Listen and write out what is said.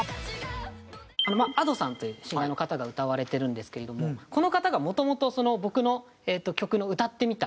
Ａｄｏさんというシンガーの方が歌われてるんですけれどもこの方がもともと僕の曲の「歌ってみた」。